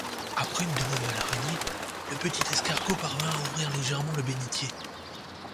Après une demande de l'araignée, le petit escargot parvient à ouvrir légèrement le bénitier.